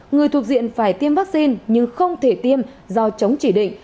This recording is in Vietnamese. người thuộc diện phải tiêm vaccine nhưng không thể tiêm do chống chỉ định